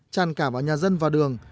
tràn cả vào nhà dân và đường